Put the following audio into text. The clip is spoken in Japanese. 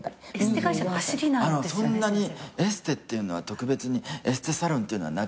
そんなにエステっていうのは特別にエステサロンっていうのはなく。